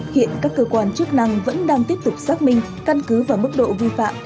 hiện các cơ quan chức năng vẫn đang tiếp tục xác minh căn cứ và mức độ vi phạm